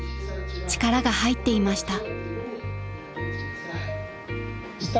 ［力が入っていました］